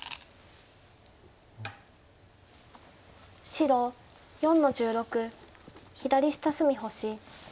白４の十六左下隅星。